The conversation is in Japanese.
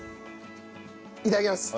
いただきます。